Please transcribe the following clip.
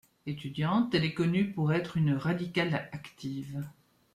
Étudiante, elle est connue pour être une radicale active.